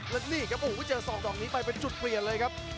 และนี่ครับโอ้โหเจอศอกดอกนี้ไปเป็นจุดเปลี่ยนเลยครับ